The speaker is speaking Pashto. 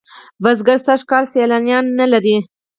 بزگر سږ کال سیاليوان نه لري.